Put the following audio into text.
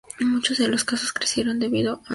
Muchos de los casos carecieron del debido proceso.